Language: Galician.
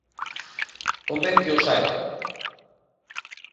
Convén que o saiba.